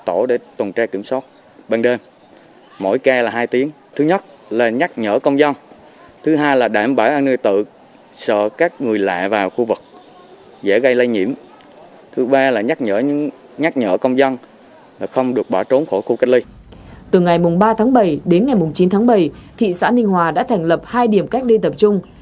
từ ngày ba tháng bảy đến ngày chín tháng bảy thị xã ninh hòa đã thành lập hai điểm cách ly tập trung